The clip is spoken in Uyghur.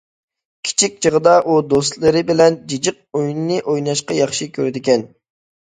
كىچىك چېغىدا ئۇ دوستلىرى بىلەن جىجىق ئويۇنى ئويناشنى ياخشى كۆرىدىكەن.